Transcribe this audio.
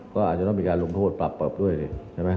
ก็อาจจะต้องมีการลงโทษปรับด้วยนะครับ